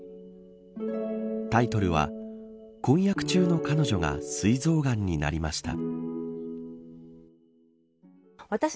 タイトルは、婚約中の彼女がすい臓がんになりました。